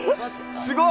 すごい。